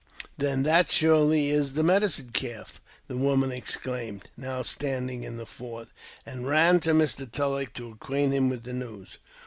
" Then that surely is the Medicine Calf," the woman ex claimed, " now standing in the fort !" and ran to Mr. Tulleck to acquaint him with the news.